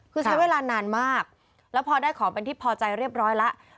คือใช้เวลานานมากแล้วพอได้ของเป็นที่พอใจเรียบร้อยแล้ว